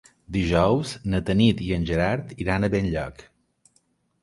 Dijous na Tanit i en Gerard iran a Benlloc.